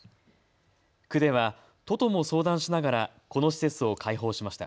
区では都とも相談しながらこの施設を開放しました。